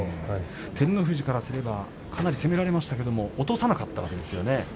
照ノ富士としてはかなり攻められましたが落とさなかったわけですね。